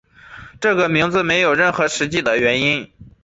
这个名字没有任何实际的原因。